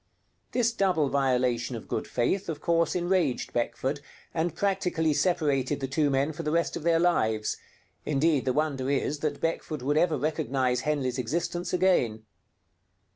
This double violation of good faith of course enraged Beckford, and practically separated the two men for the rest of their lives; indeed, the wonder is that Beckford would ever recognize Henley's existence again.